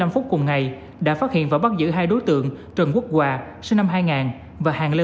một mươi phút cùng ngày đã phát hiện và bắt giữ hai đối tượng trần quốc hòa sinh năm hai nghìn và hàng lê